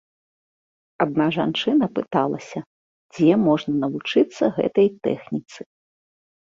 Адна жанчына пыталася, дзе можна навучыцца гэтай тэхніцы.